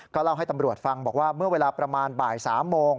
เล่าให้ตำรวจฟังบอกว่าเมื่อเวลาประมาณบ่าย๓โมง